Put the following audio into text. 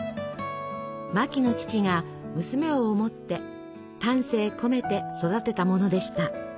マキの父が娘を思って丹精込めて育てたものでした。